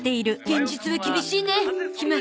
現実は厳しいねひま。